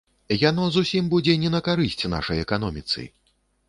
Яно зусім будзе не на карысць нашай эканоміцы.